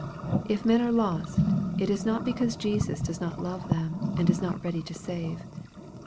If men are lost, it is not because Jesus does not love them, and is not ready to save.